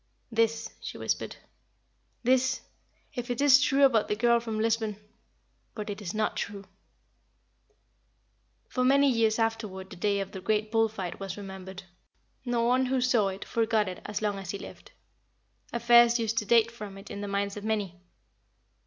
"This," she whispered, "this if it is true about the girl from Lisbon; but it is not true." For many years afterward the day of the great bull fight was remembered. No one who saw it forgot it as long as he lived. Affairs used to date from it in the minds of many.